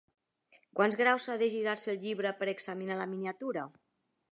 Quants graus ha de girar-se el llibre per examinar la miniatura?